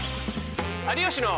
「有吉の」。